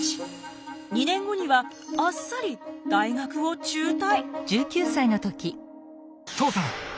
２年後にはあっさり大学を中退。